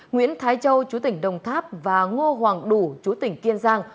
nguyễn thái châu chú tỉnh đồng tháp và ngô hoàng đủ chú tỉnh kiên giang